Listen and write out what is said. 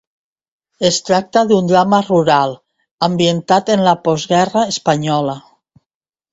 Es tracta d'un drama rural ambientat en la postguerra espanyola.